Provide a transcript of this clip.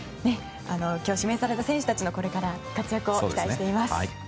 今日、指名された選手たちのこれからの活躍を期待しています。